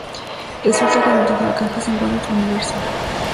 Resulta que dentro de la caja se encuentra otro universo.